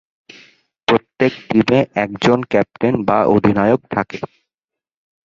প্রত্যেক টিমে একজন ক্যাপ্টেন বা অধিনায়ক থাকে।